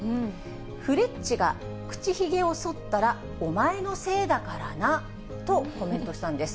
フレッチが口ひげをそったら、お前のせいだからなとコメントしたんです。